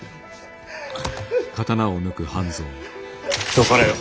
どかれよ。